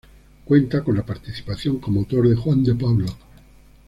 Cuenta con la participación como autor de Juan de Pablos.